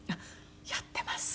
やってます。